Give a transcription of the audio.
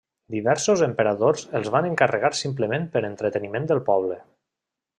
Diversos emperadors els van encarregar simplement per entreteniment del poble: